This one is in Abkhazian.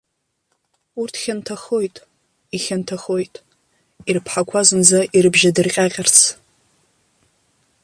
Урҭ хьанҭахоит, ихьанҭахоит, ирԥҳақәа зынӡа ирыбжьадырҟьаҟьарц.